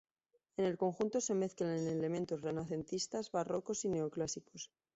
En el conjunto se mezclan elementos renacentistas, barrocos y neoclásicos.